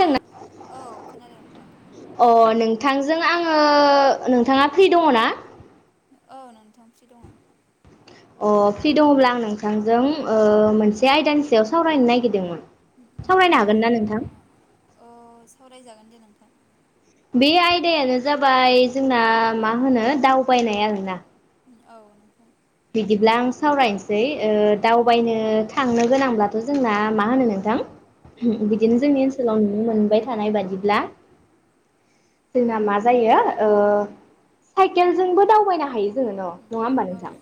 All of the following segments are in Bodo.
औ औ खोनादों नोंथां अ नों नोंथांजों आङो नोंथाङा फ्रि दङ ना? औ नोंथां फ्रि दङ। अ फ्रि दङब्ला आं नोंथांजों ओ मोनसे आयदानि ओ सायाव सावरायनो नागिरदोंमोन। सावरायनो औ हागोनना नोंथां? औ सावरायजागोन दे नोंथां। बे आयदायानो जाबाय जोंना मा होनो दावबायनाय आरोना। औ नोंथां। बिदिब्ला आं सावरायनोसै दावबायनो थांनो गोनांब्लाथ' जोंना मा होनो नोंथां? बिदिनो जोंनि ओनसोलाव नुनो [unintelligible] थानाय बादिब्ला जोंना मा जायो साइकेलजोंबो दावबायनो हायो जोङो न'। नङा होमबा औ नोंथां?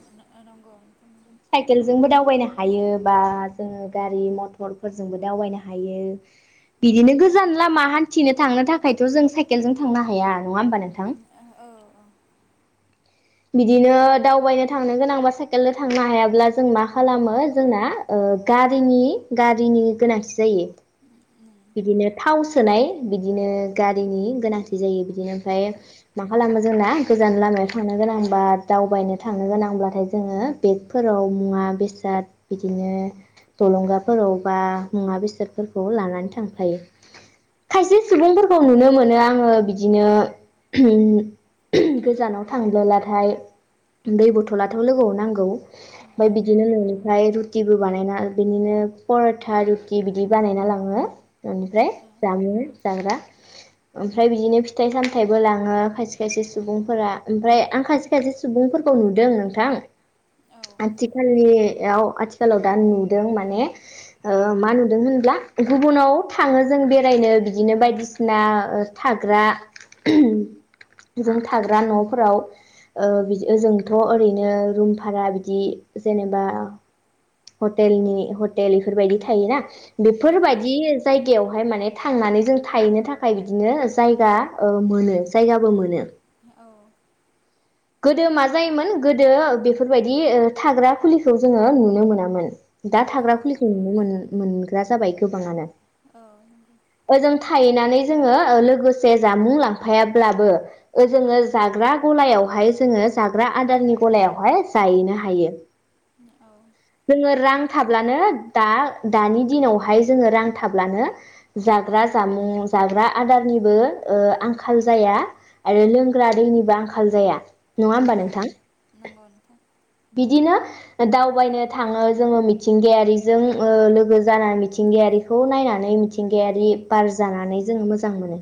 [inaudible] साइकेलजोंबो दावबायनो हायो बा जोङो गारि मथरफोरजोंबो दावबायनो हायो। बिदिनो गोजान लामा हान्थिनो थांनो थाखायथ' जों साइकेलजों थांनो हाया नङा होमबा नोंथां? नंगौ औ औ बिदिनो दावबायनो थांनो गोनांबा साइकेलदो थांनो हायाब्ला जों मा खालामो जोंना ओ गारिनि गारिनि गोनांथि जायो। बिदिनो थाव सोनाय बिदिनो गारिनि गोनांथि जायो बिदिनो ओमफ्राय मा खालामो जोंना गोजान लामायाव थां थांनो गोनांबा दावबायनो थांनो गोनांब्लाथाय जोङो बेगफोराव मुवा बेसाद बिदिनो जलंगाफोराव बा मुवा बेसादफोरखौ लानानै थांफायो। खायसे सुबुंफोरखौ नुनो मोनो आङो बिदिनो गोजानाव थांब्लोलाथाय दै बथलाथ' लोगोआव नांगौ। बाय नंगौ बिदिनो न'निफ्राय रु टिबो बानायना बिदिनो पर'था रुटि बिदि बानायना लाङो बेनिफ्राय जामुं जाग्रा। ओमफ्राय बिदिनो फिथाइ सामथाइबो लाङो खायसे खायसे सुबुंफोरा। ओमफ्राय आं खायसे खायसे सुबुंफोरखौ नुदों नोंथां औ आथिखालनि याव आथिखालाव दा नुदों माने मा नुदों होनब्ला गुबुनाव थाङो जों बेरायनो बिदिनो बायदिसिना थाग्रा जों थाग्रा न' फोराव ओ बिदि जोंथ' ओरैनो रुम भारा बिदि जेनेबा हटेलनि हटेल इफोरबायदि थायोना, नंगौ बेफोरबायदि जाय गायावहाय माने थांनानै जों थाहैनो थाखाय बिदिनो जायगा मोनो, जायगाबो मोनो। औ। गोदो मा जायोमोन गोदो बेफोरबायदि ओ थाग्रा खुलिखौ जोङो नुनो मोनामोन। दा औ थाग्रा खुलिखौ नुनो मोन मोनग्रा जाबाय गोबाङानो। औ नंगौ ओजों थाहैनानै जोङो लोगोसे जामुं लांफायाब्लाबो ओ जोङो जाग्रा गलायावहाय जोङो जाग्रा आदारनि गलायावहाय जाहैनो हायो। औ जोङो रां थाब्लानो दा दानि दिनावहाय जोङो रां थाब्लानो जाग्रा जामुं, जाग्रा आदारनिबो ओ आंखाल जाया आरो लोंग्रा दैनिबो आंखाल जाया। नङा होमबा औ नोंथां नंगौ नोंथां। बिदिनो दावबायनो थाङो जोङो मिथिंगायारिजों लोगो जानानै मिथिंगायारिखौ नायनानै मिथिंगायारि बार जानानै जोङो मोजां मोनो।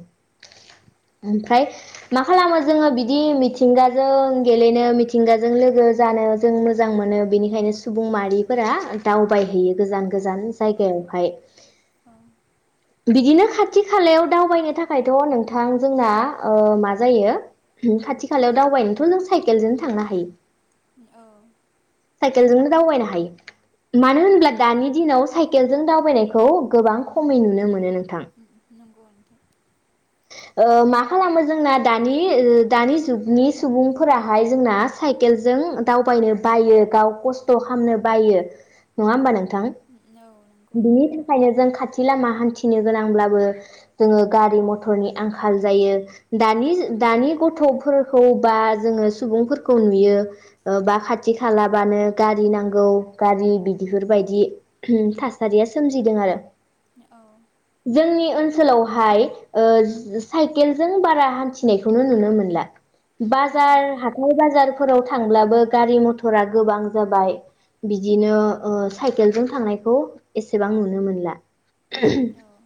ओमफ्राय मा खालामो जोङो बिदि मिथिंगाजों गेलेनो मिथिंगाजों लोगो जानो जों मोजां मोनो बिनिखायनो सुबुं माहारिफोरा दावबायहैयो गोजान गोजान जायगायावहाय। औ। बिदिनो खाथि खालायाव दावबायनो थाखायथ' नोंथां जोंना ओ मा जायो खाथि खालायाव दावबायनोथ' जों साइकेलजों थांनो हायो। ओ। साइकेलजोंनो दावबायनो हायो। मानो होनोब्ला दानि दिनाव साइकेलजों दावबायनायखौ गोबां खमै नुनो मोनो नोंथां। नंगौ नोंथां। ओ मा खालामो जोंना दानि दानि जुगनि सुबुंफोराहाय जोंना साइकेलजों दावबायनो बायो गाव खस्थ' खामनो बायो। नङा होमबा नों थां? औ नंगौ बिनि थाखायनो जों खाथि बो लामा हान्थिनो गोनांब्लाबो जोङो गारि म थरनि आंखाल जायो। दानि दानि गथ'फोरखौ बा जोङो सुबुंफोरखौ नुयो बा खाथि खालाबानो गारि नांगौ, गारि बिदिफोरबायदि थासारिया सोमजिदों आरो। नोंथां जोंनि ओन सोलावहाय ओ साइकेलजों बारा हान्थिनायखौनो नुनो मोनला। औ औ बाजार हाथाइ बाजार फोराव थांब्लाबो गारि मथरा गोबां जाबाय। बिदिनो ओ साइकेलजों थांनायखौ एसेबां नुनो मोनला। औ नंगौ औ नंगौ औ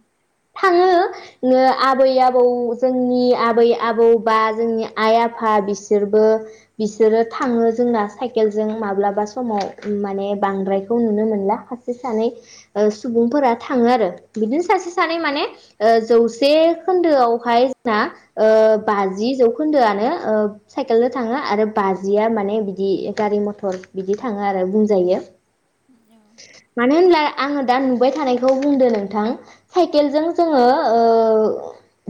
आबै आबौ जोंनि आबै आबौ बा जोंनि आइ आफा बिसोरबो बिसोरो थाङो जोंना साइकेलजों माब्लाबा समाव माने बांद्रायखौ नुनो मोनला सासे सानै सुबुंफोरा थाङो आरो बिदिनो सासे सानै माने ओ जौ से खोन्दोआवहाय जोंना बाजि जौखोन्दोआनो साइकेलो थाङो आरो बाजिया माने बिदि गारि मथर बिदि थाङो आरो बुंजायो। मानो होनब्ला आङो दा नुबाय थानायखौ बुंदो नोंथां साइकेलजों जोङो ओ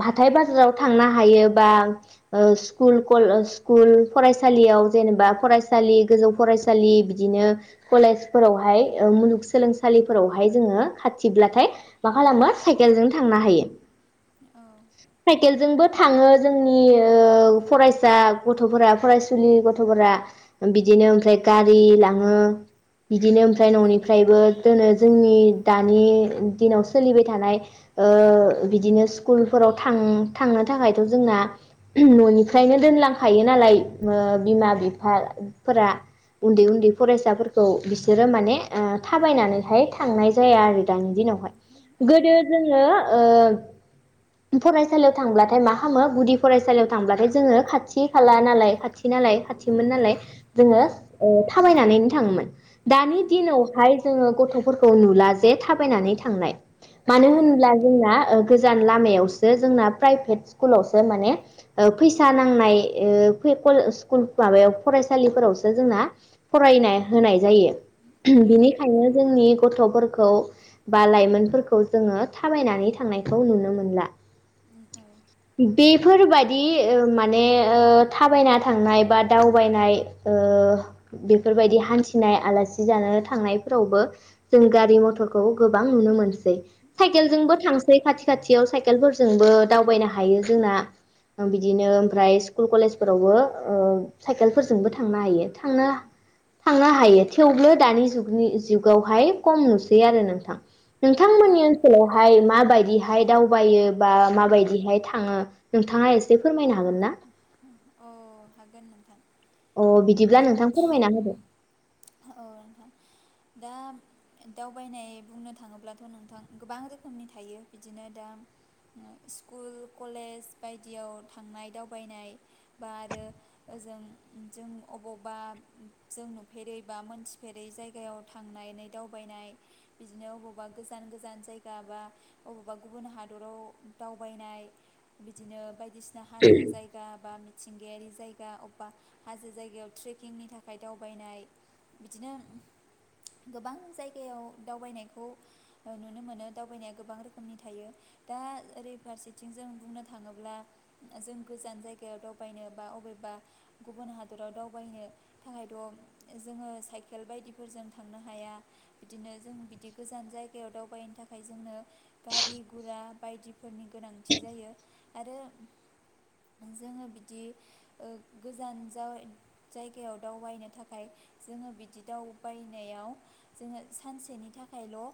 हाथाय बाजाराव थांनो हायो बा स्कुल कल स्कुल फरायसालियाव जेनेबा फरायसालि गोजौ फरायसालि बिदिनो कलेजफोरावहाय मुलुगसोलोंसालिफोरावहाय जोङो खाथिब्लाथाय मा खालामो साइकेलजों थांनो हायो। साइकेलजोंबो थाङो जोंनि फरायसा गथ'फोरा फरायसुलि गथ'फोरा बिदिनो ओमफ्राय गारि लाङो बिदिनो ओमफ्राय न'निफ्रायबो दोनो जोंनि दानि दिनाव सोलिबाय थानाय बिदिनो स्कुलफोराव थ थांनो थाखायथ' जोंना न'निफ्रायनो दोनलांखायो नालाय बिमा बिफाफोरा उन्दै उन्दै फरायसाफोरखौ बिसोरो माने थाबायनानैहाय थांनाय जाया आरो दानि दिनावहाय गोदो जोङो फरायसालियाव थांब्लाथाय मा खालामो गुदि फरायसालियाव थांब्लाथाय जोङो खाथि खाला नालाय खाथि नालाय खाथिमोन नालाय जोङो ओ थाबायनानैनो थाङोमोन। दानि दिनावहाय जोङो गथ'फोरखौ नुला जे थाबायनानै थांनाय मानो होनब्ला जोंना गोजान लामायावसो जोंना प्राइभेट स्कुलावसो माने ओ फैसा नांनाय स्कुल माबायाव फरायसालिफोरावसो जोंना फरायना होनाय जायो। औ बिनिखायनो जोंनि गथ'फोरखौ बा लाइमोनफोरखौ जोङो थाबायनानै थांनाय खौ नुनो मोनला बेफोरबायाददि माने थाबायना थांनाय बा दावबायनाय बेफोरबायदि हान्थिनाय आलासि जानो थांनायफोरावबो जों गारि मथरखौ गोबां नुनो मोनसै। साइकेलजोंबो थां खाथि खाथियाव साइकेलफोरजोंबो दावबायनो हायो जोंना बिदिनो ओमफ्राय स्कुल कलेजफोरावबो साइकेलफोरजोंबो थांनो हायो थांनो थांनो हायो थेवबो दानि जुगनि जुगावहाय खम नुसै आरो नोंथां। औ नोंथांमोननि ओनसोलावहाय मा माबायदिहाय दावबायो बा माबायदिहाय थाङो नोंथाङा एसे फोरमायनो हागोन ना? अ हागोन नोंथां। अ बिदिब्ला नोंथां फोरमायना होदो। औ नोंथां दा दावबायनाय बुंनो थाङोब्लाथ' नोंथां गोबां रोखोमनि थायो बिदिनो दा स्कुल कलेज बायदियाव थांनाय दावबायनाय बा आरो ओजों जों अबावबा जों नुफेरै बा मोनथिफेरै जायगायाव थांनानै दावबायनाय बिदिनो अबावबा गोजान गोजान जायगा बा अबावबा गुबुन हादराव दावबायनाय बिदिनो बायदि बायदिसिना हाजो जायगा बा मिंथिंगायारि जयगा अबा हाजो जायगायाव ट्रेकिंनि थाखाय दावनाय बिदिनो गोबां जायगायाव दावबायनायखौ नुनो मोनो दावबायनाया गोबां रोखोमनि थायो दा ओरै फारसेथिं जों बुंनो थाङोब्ला जों गोजान जाय दावबायनोबा अबेबा गुबुन हादराव दावायनो थाखायथ' जोङ साइकेल बायदिफोरजों थांनो हाया बिदिनो जों बिदि गोजान जायगायाव दावबायनो थाखाय जोंनो गारि गुरा बायदि फोरनि गोनांथि जायो। आरो जोङो बिदि गोजान जायगायाव दावबायनो थाखाय जोङो बिदि दावबायनायाव जोङो सानसेनि थाखायल' ओ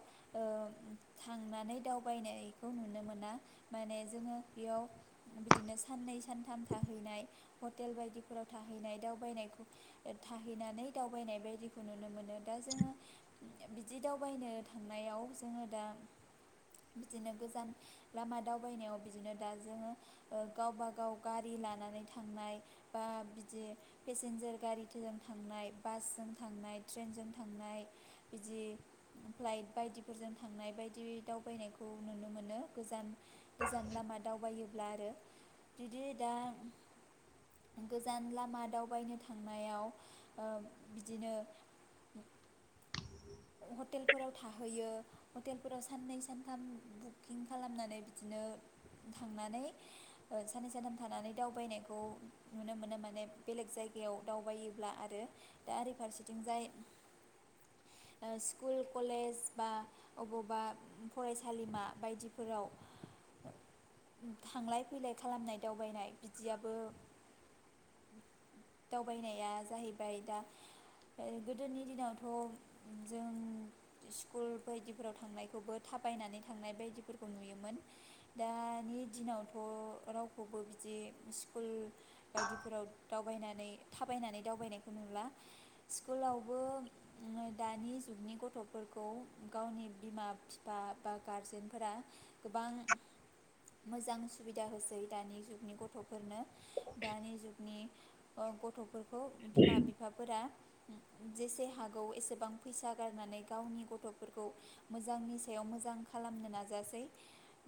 थांनानै दावबायनायखौ नुनो मोना माने जोङो बेयाव बिदिनो सान्नै सानथाम थाहैनाय हटेल बायदिफोराव थाहैनाय दावबाय थाहैनानै दावबायनाय बायदिखौ नुनो मोनो। दा जोङो बिदि दावबायनो थांनायाव जोङो दा बिदिनो गोजान लामा दावबायनायाव बिदिनो दा जोङो गावबा गाव गारि लानानै थांनाय बा बिदि पेसेन्जार गारिजों थांनाय बासजों थांनाय ट्रेनजों थांनाय बिदि फ्लाइट बायदिफोरजों थांनाय बायदि दावबायनायखौ नुनो मोनो गोजान गोजान लामा दावबायो। ला आरो बिदि दा गोजान लामा दावबायनो थांनायाव ओ बिदिनो हटेलफोराव थाहैयो हटेलफोराव साननै सानथाम बुकिं खालामनानै बिदिनो थांनानै साननै सानथाम थानानै दावबायनायखौ नुनो मोनो माने बेलेग जायगायाव दावबायोब्ला आरो दा आरै फारसेथिंजाय स्कुल कलेज बा अबावबा फरायसालिमा बायदिफोराव थांलाय फैलाय खालामनाय दावबायनाय बिदियाबो दावबायनाया जाहैबाय दा गोदोनि दिनावथ' जों स्कुल बायदिफोराव थांनायखौबो थाबायनानै थांनाय बायदिफोरखौ नुयोमोन दानि दिनावथ' रावखौबो बिदि स्कुल बायदिफोराव दावबायनानै थाबायनानै दावबायनायखौ नुला स्कुलावबो दानि जुगनि गथ'फोरखौ गावनि बिमा बिफा बा गारजेनफोरा गोबां मोजां सुबिदा होसै दानि जुगनि गथ'फोरनो दानि जुगनि गथ'फोरखौ खौ बिमा बिफाफोरा जेसे हागौ एसे गोबां फैसा गारनानै गावनि गथ'फोरखौ मोजांनि सायाव मोजां खालामनो नाजासै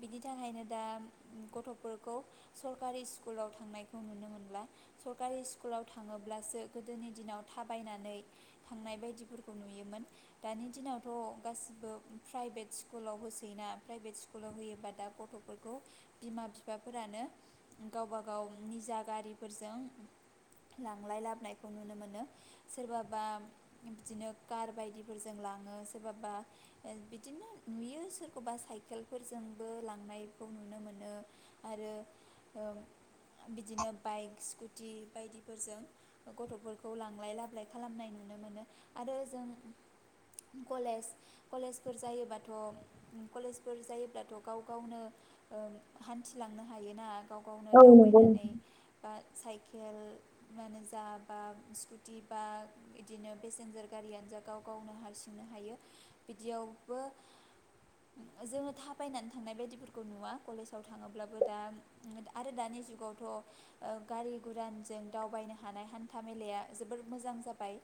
बिनि थाखायनो दा गथ'फोरखौ सरकारि स्कुलाव थांनायखौ नुनो मोनला सरकारि स्कुलाव थांङोब्लासो गोदोनि दिनाव थाबायनानै थांनाय बायदिफोरखौ खौ नुयोमोन दानि दिनावथ' गासिबो प्राइभेट स्कुलाव होसैयोना प्राइभेट स्कुलाव होयोबा दा गथ'फोरखौ बिमा बिफाफोरानो गावबा गाव निजा गारिफोरजों लांलाय लाबोनायखौ नुनो मोनो सोरबाबा बिदिनो कार बायदिफोरजों लाङो सोरबाबा बिदिनो नुयो सोरखौबा साइकेलफोरजोंबो लांनायखौ नुनो मोनो आरो ओ बिदिनो बाइक स्कुटि बायदिफोरजों गथ'फोरखौ लांलाय लाबोलाय खालामनाय नुनो मोनो आरो ओं कलेज' कलेजफोर जायोब्लाथ कलेजफोर' जायोब्लाथ गाव गावनो ओ हान्थिलांनो हायोना गाव गावनो औ नंगौ दावबायनानै बा साइकेल मानो जा बा स्कुटि बा बिदिनो पेसेन्जार गारियानोजा गाव गावनो हारसिंनो हायो बिदियावबो जोंङो थाबायनानै थांनाय बायदिफोरखौ नुवा कलेजाव थाङोब्लाबो दा आरो दानि जुगावथ' गारि गुरानजों दावबायनो हानाय हान्था मेलाया जोबोर मोजां जाबाय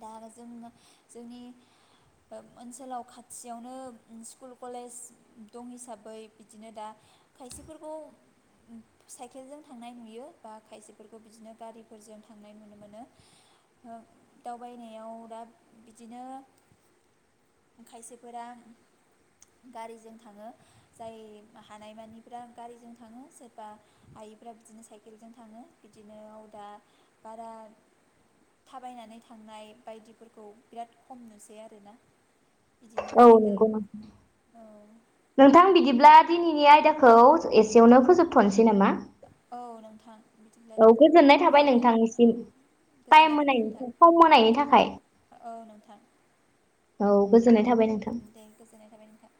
दा आरो जोंङो जोंनि ओम ओनसोलाव खाथियावनो ओम स्कुल कलेज दं हिसाबै बिदिनो दा खायसेफोरखौ साइकेलजों थांनाय नुयो बा खायसेफोरखौ बिदिनो गारिफोरजों थांनाय नुनो मोनो। ओ दावबायनायाव दा बिदिनो खायसेफोरा गारिजों थांङो। जाय हानायमानिफ्रा गारिजों थांङो। सोरबा आयैफ्रा बिदिनो साइकेलजों थांङो। बिदिनोआव दा बारा थाबायनानै थां थांनाय बायदिफोरखौ बिराद खम नुसै आरोना। बिदिनो औ साइकेल नंगौ औ। नोंथां बिदिब्ला दिनैनि आयदाखौ एसेयावनो फोजोबथ'नोसै नामा? औ नोंथां बिदिब्ला औ गोजोननाय थाबाय जाबाय दे औ नोंथांनिसिम थायेम गोजोननाय थाबाय होनायनि नोंथां था थायेम होनायनि थाखाय। औ औ बोजोननाय दायो गोजोननाय थाबाय नोंथां।